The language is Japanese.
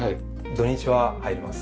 土日は入ります。